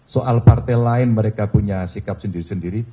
soal partai lain mereka punya sikap sendiri sendiri